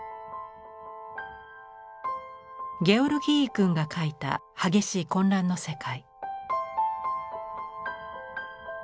ゲオルギーイ君が描いた激しい混乱の世界。